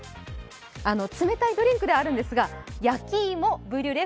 冷たいドリンクではあるんですが焼き芋ブリュレ